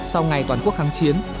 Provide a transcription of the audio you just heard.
sau ngày toàn quốc kháng chiến